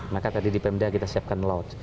maka tadi di pemda kita siapkan laut